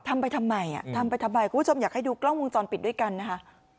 ทำไปทำไมอ่ะทำไปทำไมคุณผู้ชมอยากให้ดูกล้องวงจรปิดด้วยกันนะคะ